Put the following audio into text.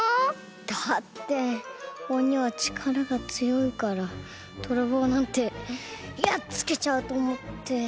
だって鬼はちからがつよいからどろぼうなんてやっつけちゃうとおもって。